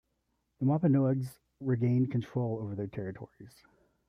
The Wampanoags regained control over their territories.